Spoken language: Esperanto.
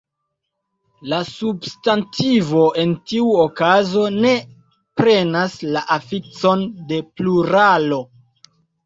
La substantivo en tiu okazo ne prenas la afikson de pluralo.